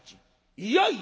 いやいや」。